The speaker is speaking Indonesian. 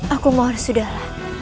aku mau harus sudahlah